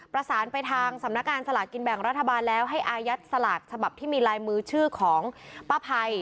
ประสานไปทางสำนักงานสลากกินแบ่งรัฐบาลแล้วให้อายัดสลากฉบับที่มีลายมือชื่อของป้าภัย